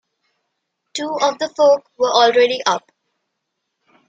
Two of the Folk were already up.